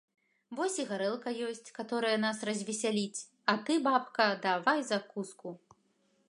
Вось і гарэлка ёсць, каторая нас развесяліць, а ты, бабка, давай закуску.